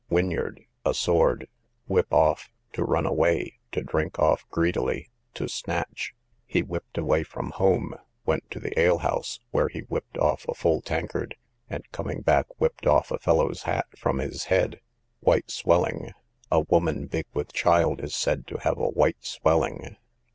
Whinyard, a sword. Whip off, to run away, to drink off greedily, to snatch: he whipped away from home, went to the alehouse, where he whipped off a full tankard, and coming back whipped off a fellow's hat from his head. White swelling, a woman big with child is said to have a white swelling.